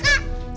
semangat ya kak